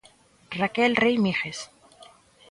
Raquel Rei Míguez.